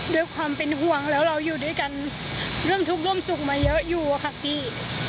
ด้วยความเป็นห่วงแล้วเราอยู่ด้วยกันร่วมทุกข์ร่วมสุขมาเยอะอยู่อะค่ะพี่